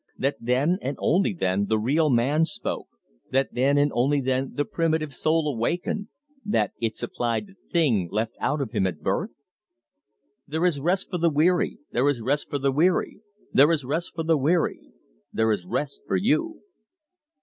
That then and only then the real man spoke, that then and only then the primitive soul awakened, that it supplied the thing left out of him at birth? "There is rest for the weary, There is rest for the weary, There is rest for the weary, There is rest for you!"